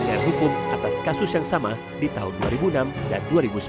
dan hukum atas kasus yang sama di tahun dua ribu enam dan dua ribu sepuluh